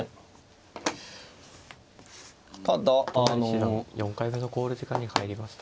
都成七段４回目の考慮時間に入りました。